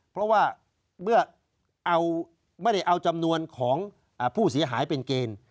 เพราะว่าเมื่อไม่ได้เอาจำนวนของผู้เสียหายเป็นเกณฑ์